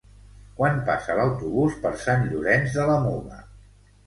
Quan passa l'autobús per Sant Llorenç de la Muga?